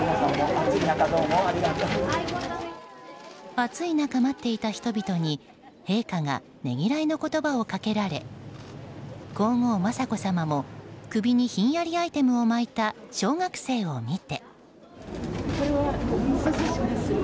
暑い中待っていた人々に陛下がねぎらいの言葉をかけられ皇后・雅子さまも首にひんやりアイテムを巻いた小学生を見て。